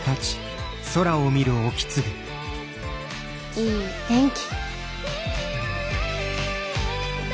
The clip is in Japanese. いい天気。